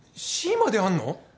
Ｃまであんの？